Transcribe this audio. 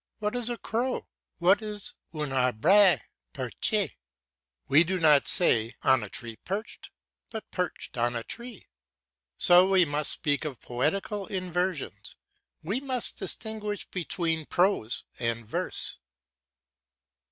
What is a crow? What is "un arbre perche"? We do not say "on a tree perched," but perched on a tree. So we must speak of poetical inversions, we must distinguish between prose and verse.